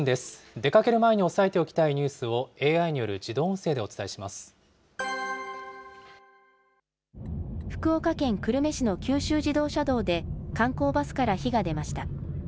出かける前に押さえておきたいニュースをＡＩによる自動音声でお福岡県久留米市の九州自動車道で、観光バスから火が出ました。